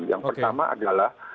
yang pertama adalah